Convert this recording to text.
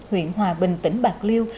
huyện hòa bình tỉnh bạc liêu